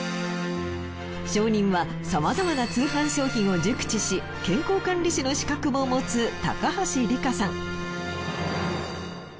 証人はさまざまな通販商品を熟知し健康管理士の資格も持つ高橋利果さん。